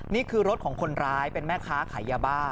นี่คือรถของคนร้ายเป็นแม่ค้าขายยาบ้า